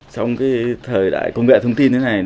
trong thời đại công việc thông tin thế này